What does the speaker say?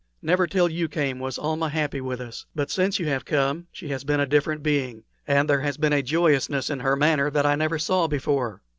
Never till you came was Almah happy with us; but since you have come she has been a different being, and there has been a joyousness in her manner that I never saw before.